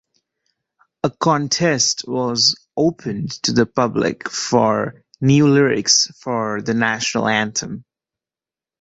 A contest was opened to the public, for new lyrics for the national anthem.